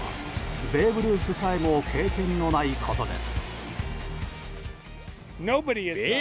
ベーブ・ルースさえも経験のないことです。